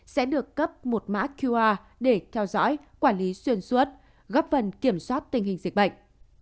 sẽ được cấp một mã qr để theo dõi quản lý xuyên suốt góp phần kiểm soát tình hình dịch bệnh